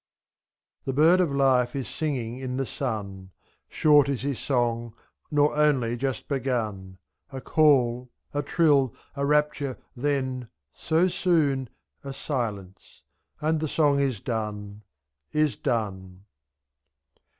The bird of life is singing in the sun, Short is his song, nor only just begun, — ^X'K call, a trill, a rapture, then — so soon! — A silence, and the song is done — is done.